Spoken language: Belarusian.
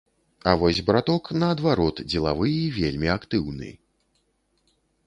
А вось браток наадварот дзелавы і вельмі актыўны.